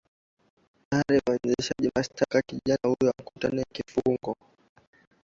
tayari waendesha mashtaka wametaka kijana huyo akutane na kifungo